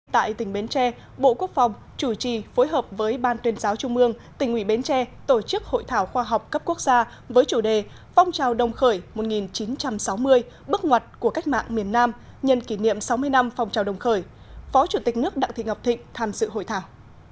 tại tỉnh bến tre bộ quốc phòng chủ trì phối hợp với ban tuyên giáo trung mương tỉnh nguyễn bến tre tổ chức hội thảo khoa học cấp quốc gia với chủ đề phong trào đồng khởi một nghìn chín trăm sáu mươi bước ngoặt của cách mạng miền nam nhân kỷ niệm sáu mươi năm phong trào đồng khởi phó chủ tịch nước đặng thị ngọc thịnh tham dự hội thảo